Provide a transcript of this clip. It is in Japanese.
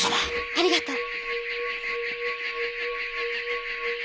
ありがとう。